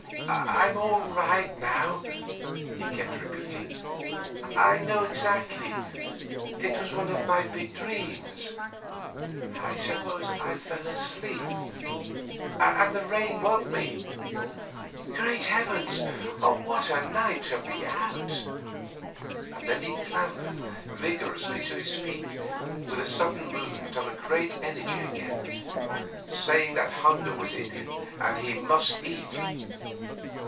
'I'm all right now,' he kept repeating. 'I know exactly. It was one of my big dreams ... I suppose I fell asleep ... and the rain woke me. Great heavens! What a night to be out.' And then he clambered vigorously to his feet with a sudden movement of great energy again, saying that hunger was in him and he must eat.